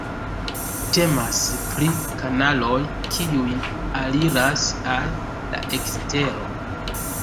Temas pri kanaloj kiuj aliras al la ekstero.